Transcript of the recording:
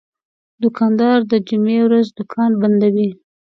دوکاندار د جمعې ورځ دوکان بندوي.